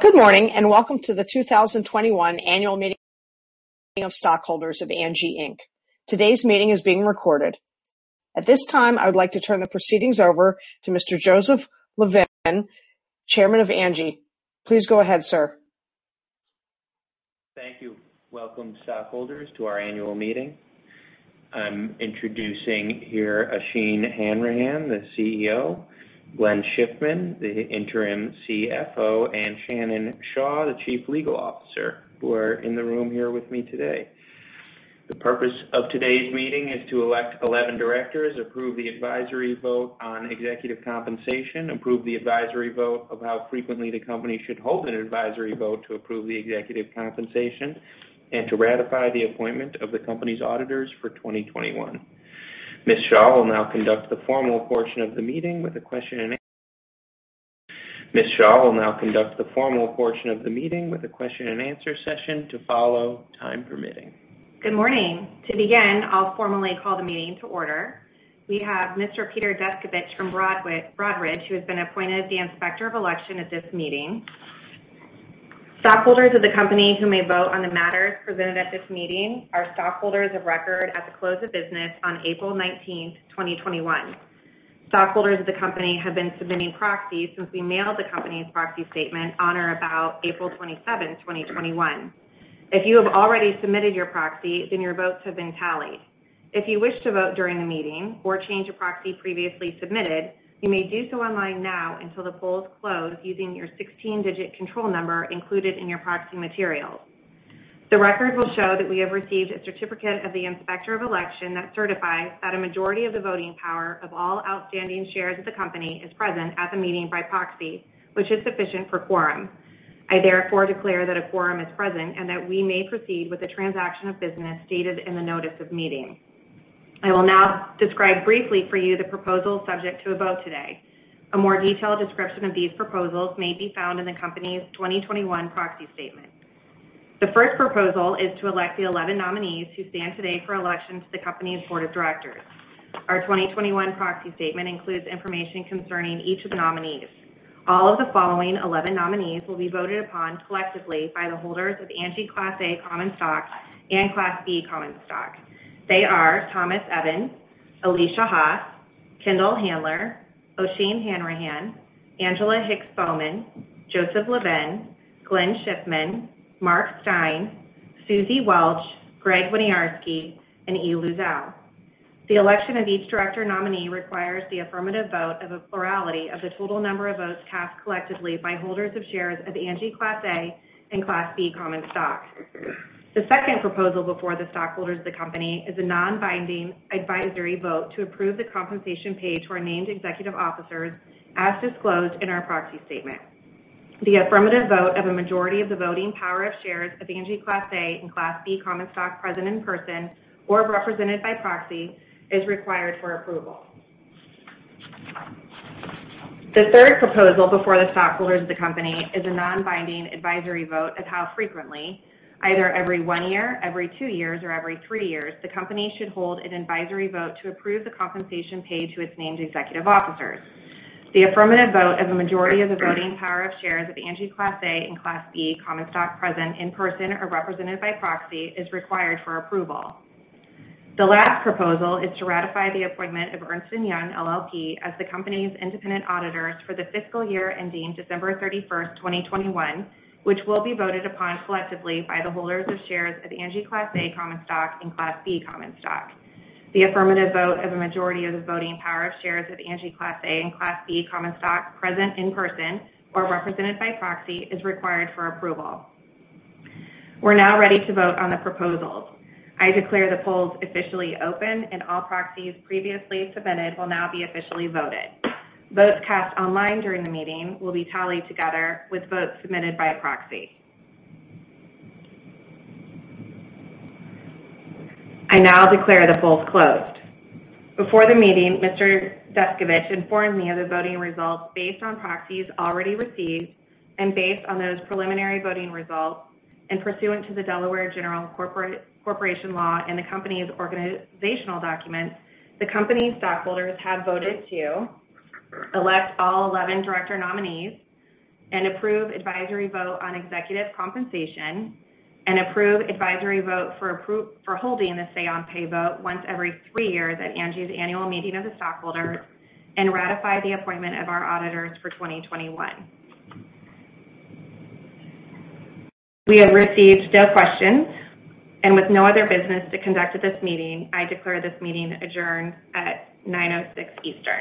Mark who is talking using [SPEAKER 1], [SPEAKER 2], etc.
[SPEAKER 1] Good morning and welcome to the 2021 Annual Meeting of Stockholders of Angi Inc. Today's meeting is being recorded. At this time, I would like to turn the proceedings over to Mr. Joseph Levin, Chairman of Angi. Please go ahead, sir.
[SPEAKER 2] Thank you. Welcome, stockholders, to our annual meeting. I'm introducing here Oisin Hanrahan, the CEO; Glenn Schiffman, the interim CFO; and Shannon Shaw, the Chief Legal Officer, who are in the room here with me today. The purpose of today's meeting is to elect 11 directors, approve the advisory vote on executive compensation, approve the advisory vote of how frequently the company should hold an advisory vote to approve the executive compensation, and to ratify the appointment of the company's auditors for 2021. Ms. Shaw will now conduct the formal portion of the meeting with a question and answer. Ms. Shaw will now conduct the formal portion of the meeting with a question and answer session to follow, time permitting.
[SPEAKER 3] Good morning. To begin, I'll formally call the meeting to order. We have Mr. Peter Descovich from Broadridge, who has been appointed the inspector of election at this meeting. Stockholders of the company who may vote on the matters presented at this meeting are stockholders of record at the close of business on April 19, 2021. Stockholders of the company have been submitting proxies since we mailed the company's proxy statement on or about April 27, 2021. If you have already submitted your proxy, then your votes have been tallied. If you wish to vote during the meeting or change a proxy previously submitted, you may do so online now until the polls close using your 16-digit control number included in your proxy materials. The record will show that we have received a certificate of the Inspector of Election that certifies that a majority of the voting power of all outstanding shares of the Company is present at the meeting by proxy, which is sufficient for quorum. I therefore declare that a quorum is present and that we may proceed with the transaction of business stated in the Notice of Meeting. I will now describe briefly for you the proposals subject to a vote today. A more detailed description of these proposals may be found in the Company's 2021 Proxy Statement. The first proposal is to elect the 11 nominees who stand today for election to the Company's Board of Directors. Our 2021 Proxy Statement includes information concerning each of the nominees. All of the following 11 nominees will be voted upon collectively by the holders of Angi Class A Common Stock and Class B Common Stock. They are Thomas Evans, Alesia Haas, Kendall Handler, Oisin Hanrahan, Angela Hicks Bowman, Joey Levin, Glenn Schiffman, Mark Stein, Suzy Welch, Gregg Winiarski, and Ynon Kreiz. The election of each director nominee requires the affirmative vote of a plurality of the total number of votes cast collectively by holders of shares of Angi Class A and Class B Common Stock. The second proposal before the stockholders of the company is a non-binding advisory vote to approve the compensation paid to our named executive officers as disclosed in our proxy statement. The affirmative vote of a majority of the voting power of shares of Angi Class A and Class B Common Stock present in person or represented by proxy is required for approval. The third proposal before the stockholders of the company is a non-binding advisory vote of how frequently, either every one year, every two years, or every three years, the company should hold an advisory vote to approve the compensation paid to its named executive officers. The affirmative vote of a majority of the voting power of shares of Angi Class A Common Stock and Class B Common Stock present in person or represented by proxy is required for approval. The last proposal is to ratify the appointment of Ernst & Young, LLP, as the company's independent auditors for the fiscal year ending December 31, 2021, which will be voted upon collectively by the holders of shares of Angi Class A Common Stock and Class B Common Stock. The affirmative vote of a majority of the voting power of shares of Angi Class A and Class B Common Stock present in person or represented by proxy is required for approval. We're now ready to vote on the proposals. I declare the polls officially open, and all proxies previously submitted will now be officially voted. Votes cast online during the meeting will be tallied together with votes submitted by proxy. I now declare the polls closed. Before the meeting, Mr. Descovich informed me of the voting results based on proxies already received and based on those preliminary voting results. Pursuant to the Delaware General Corporation Law and the company's organizational documents, the company's stockholders have voted to elect all 11 director nominees and approve advisory vote on executive compensation and approve advisory vote for holding the say-on-pay vote once every three years at Angi's annual meeting of the stockholders and ratify the appointment of our auditors for 2021. We have received no questions, and with no other business to conduct at this meeting, I declare this meeting adjourned at 9:06 A.M. Eastern.